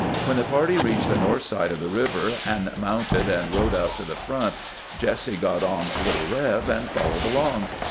When the party reached the north side of the river, and mounted and rode out to the front, Jesse got on " Little Reb " and followed along.